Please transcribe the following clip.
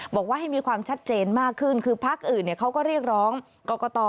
บอกว่าให้มีความชัดเจนมากขึ้นคือพักอื่นเขาก็เรียกร้องกรกต